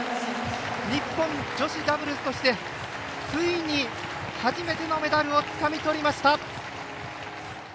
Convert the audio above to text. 日本、女子ダブルスとしてついに初めてのメダルをつかみ取りました！